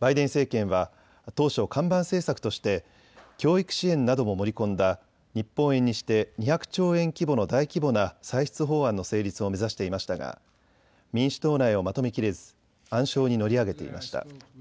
バイデン政権は当初、看板政策として教育支援なども盛り込んだ日本円にして２００兆円規模の大規模な歳出法案の成立を目指していましたが民主党内をまとめきれず暗礁に乗り上げていました。